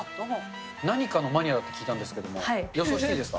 何かのマニアだと聞いたんですけど、予想していいですか？